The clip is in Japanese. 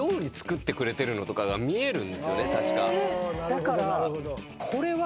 だからこれは。